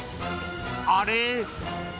［あれ？］